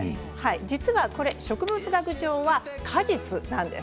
実はこれは植物学上は果実なんです。